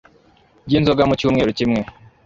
byinzoga mu cyumweru kimwe –